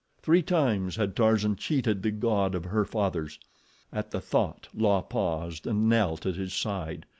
Three times had Tarzan cheated the god of her fathers. At the thought La paused and knelt at his side.